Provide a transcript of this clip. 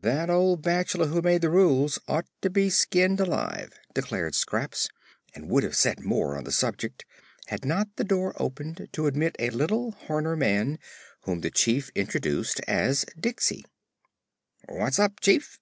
"That old bachelor who made the rules ought to be skinned alive!" declared Scraps, and would have said more on the subject had not the door opened to admit a little Horner man whom the Chief introduced as Diksey. "What's up, Chief?"